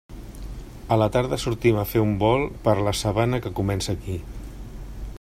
A la tarda sortim a fer un volt per la sabana que comença aquí.